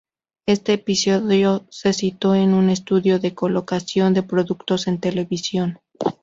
Este episodio se citó en un estudio de colocación de productos en televisión.